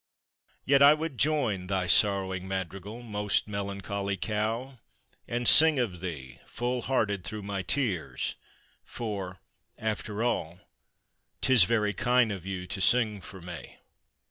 Yet I would join thy sorrowing madrigal, Most melancholy cow, and sing of thee Full hearted through my tears, for, after all 'Tis very kine of you to sing for me.